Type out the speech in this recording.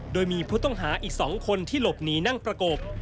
โดยมีผู้ต้องหาอีก๒คนที่หลบหนีนั่งประกบ